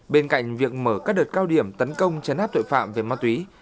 bên cạnh việc mở các đợt cao điểm tấn công chấn áp tội phạm về ma túy